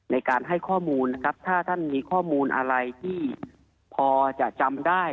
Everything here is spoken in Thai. ในการให้ข้อมูลนะครับถ้าท่านมีข้อมูลอะไรที่พอจะจำได้